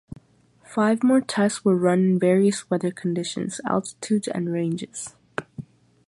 Five more tests were run in various weather conditions, altitudes, and ranges.